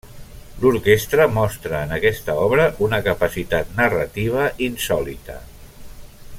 L'orquestra mostra en aquesta obra una capacitat narrativa insòlita.